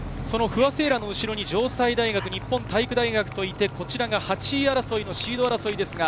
不破聖衣来の後ろに城西大学、日本体育大学、８位争いのシード争いです。